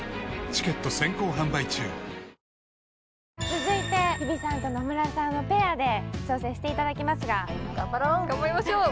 続いて日比さん野村さんのペアで挑戦していただきますが頑張ろう！